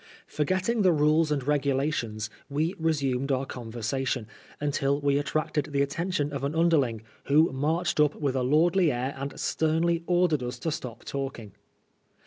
'* Forgetting the rules and regulations, we resumed our conversation, until we attracted the atten tion of an underling, who marched up with a lordly air and sternly ordered us to stop talking.